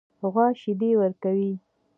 غوا شیدې ورکوي.